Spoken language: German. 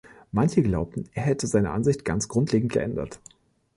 Manche glaubten, er hätte seine Ansicht ganz grundlegend geändert.